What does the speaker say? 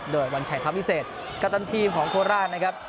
โดยวันชัยคำวิเศษกัปตันทีมของโคราชนะครับ